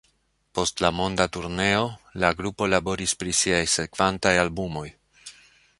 Post la monda turneo, la grupo laboris pri siaj sekvantaj albumoj.